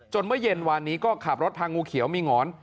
เมื่อเย็นวานนี้ก็ขับรถพางูเขียวมีหงอน